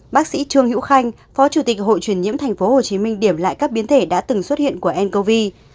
bác sĩ trương hữu khanh phó chủ tịch hội truyền nhiễm tp hcm điểm lại các biến thể đã từng xuất hiện của ncov